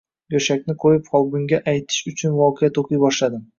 Go`shakni qo`yib, folbinga aytish uchun voqea to`qiy boshladim